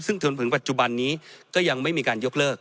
ซึ่งจนถึงปัจจุบันนี้ก็ยังไม่มีการยกเลิก